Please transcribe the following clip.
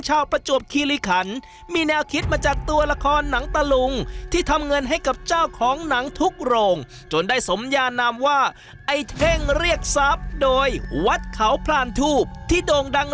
ชาวปะจวบคีรีคันมีแนวคิดมาจากตัวละครหนังตะลุง